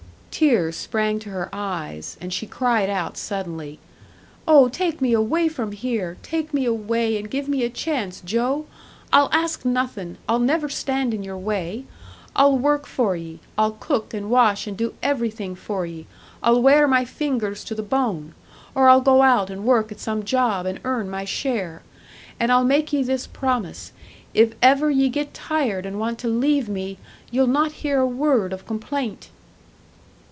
Tears sprang to her eyes, and she cried out suddenly, "Oh, take me away from here! Take me away and give me a chance, Joe! I'll ask nothing, I'll never stand in your way; I'll work for ye, I'll cook and wash and do everything for ye, I'll wear my fingers to the bone! Or I'll go out and work at some job, and earn my share. And I'll make ye this promise if ever ye get tired and want to leave me, ye'll not hear a word of complaint!"